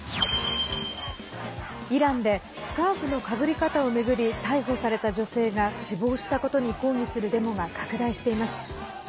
イランでスカーフのかぶり方を巡り逮捕された女性が死亡したことに抗議するデモが拡大しています。